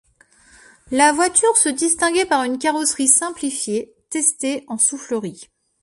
La voiture se distinguait par une carrosserie simplifiée, testée en soufflerie.